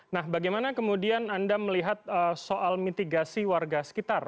nah bagaimana kemudian anda melihat soal mitigasi warga sekitar